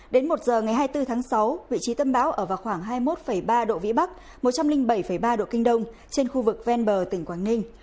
đến một giờ ngày hai mươi bốn tháng sáu vị trí tâm bão ở vào khoảng hai mươi một ba độ vĩ bắc một trăm linh bảy ba độ kinh đông trên khu vực ven bờ tỉnh quảng ninh